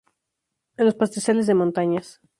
En los pastizales de montañas.